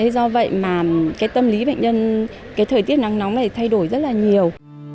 do vậy mà tâm lý bệnh nhân thời tiết nắng nóng này thay đổi rất là nhiều